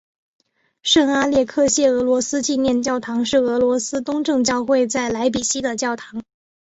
圣阿列克谢俄罗斯纪念教堂是俄罗斯东正教会在莱比锡的教堂。